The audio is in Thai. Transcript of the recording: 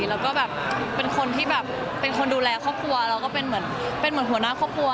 แล้วก็แบบเป็นคนที่แบบเป็นคนดูแลครอบครัวเราก็เป็นเหมือนเป็นเหมือนหัวหน้าครอบครัว